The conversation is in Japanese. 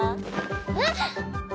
えっ！